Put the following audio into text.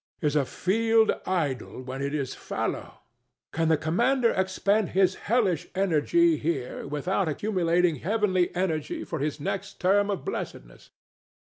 Is a field idle when it is fallow? Can the Commander expend his hellish energy here without accumulating heavenly energy for his next term of blessedness?